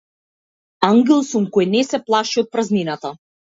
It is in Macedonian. Ангел сум кој не се плаши од празнината.